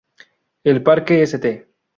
El Parque St.